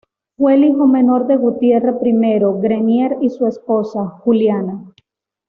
Fue el hijo menor de Gutierre I Grenier y su esposa, Juliana.